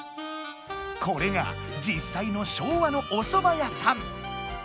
これがじっさいの昭和のおそば屋さん。